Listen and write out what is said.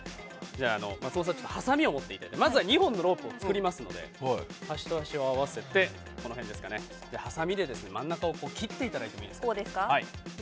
まずハサミを持っていただいて２本のロープを作りますので端と端を合わせてはさみで真ん中を切っていただいてもいいですか。